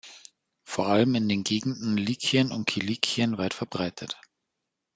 Vor allem in den Gegenden Lykien und Kilikien weit verbreitet.